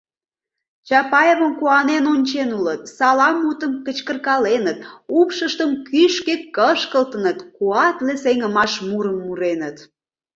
Чапаевым куанен ончен улыт, салам мутым кычкыркаленыт, упшыштым кӱшкӧ кышкылтыныт, куатле сеҥымаш мурым муреныт...